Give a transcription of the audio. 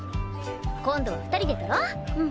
今度は２人で撮ろう！